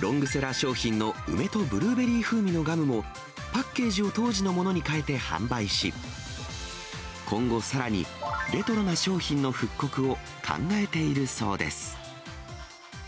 ロングセラー商品の梅とブルーベリー風味のガムも、パッケージを当時のものに変えて販売し、今後、さらにレトロな商品の復刻を考えているそうです。